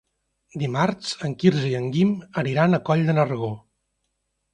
Dimarts en Quirze i en Guim aniran a Coll de Nargó.